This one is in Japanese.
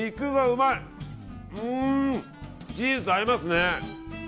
うん、チーズと合いますね。